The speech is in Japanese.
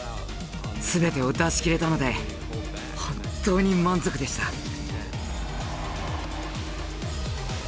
全てを出し切れたので本当に満足でした。